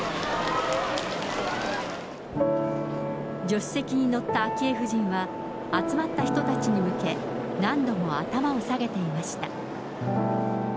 助手席に乗った昭恵夫人は、集まった人たちに向け、何度も頭を下げていました。